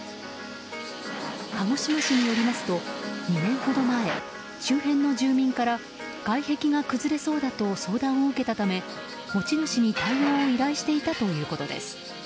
鹿児島市によりますと２年ほど前周辺の住民から外壁が崩れそうだと相談を受けたため持ち主に対応を依頼していたということです。